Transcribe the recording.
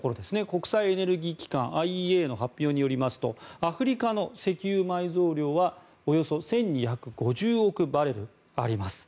国際エネルギー機関・ＩＥＡの発表によりますとアフリカの石油埋蔵量はおよそ１２５０億バレルあります。